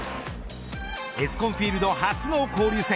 エスコンフィールド初の交流戦。